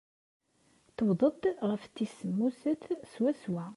Tewweḍ-d ɣef tis semmuset swaswa.